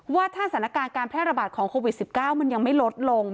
ว่าถ้าสถานการณ์การแพร่ระบาดของโควิด๑๙มันยังไม่ลดลง